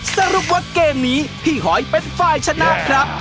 สรุปว่าเกมนี้พี่หอยเป็นฝ่ายชนะครับ